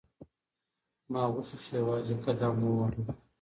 ما غوښتل چې یوازې قدم ووهم.